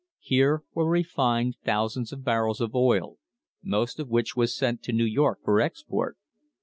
Here vere refined thousands of barrels of oil, most of which was sent to New York for export.